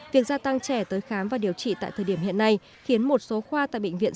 việc gia tăng trẻ tới khám và điều trị tại thời điểm hiện nay khiến một số khoa tại bệnh viện